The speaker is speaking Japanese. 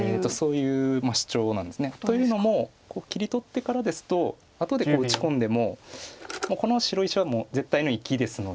そういう主張なんです。というのも切り取ってからですと後で打ち込んでもこの白石は絶対の生きですので。